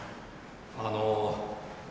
あの。